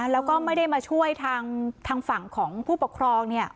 แล้วก็ไม่ได้มาช่วยทางฝั่งของผู้ปกครอง